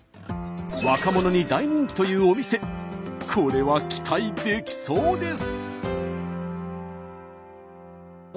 若者に大人気というお店これは期待できそうです。